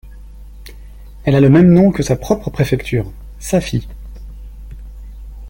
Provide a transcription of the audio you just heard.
Elle a le même nom que sa propre préfecture, Safi.